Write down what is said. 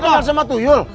tanya kenal sama tuyul